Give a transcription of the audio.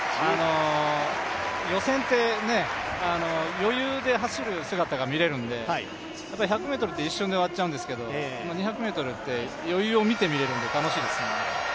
予選って、余裕で走る姿が見られるんで、１００ｍって一瞬で終わっちゃうので、２００ｍは余裕を見て見れるので楽しいですね。